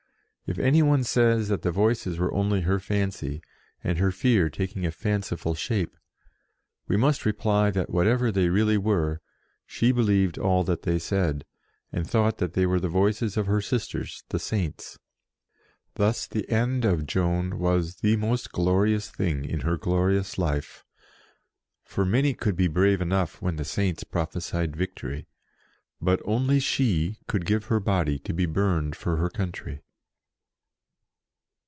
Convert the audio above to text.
If any one says that the Voices were only her fancy, and her fear taking a fanciful shape, we must reply that, whatever they really were, she believed all that they said, and thought that they were the voices of her sisters, the Saints. Thus the end of Joan was the most glorious thing in her glorious life, for many could be brave enough when the Saints prophesied victory, but only she could give her body to be burned for her country.